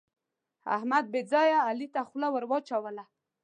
احمد بې ځایه علي ته خوله ور واچوله.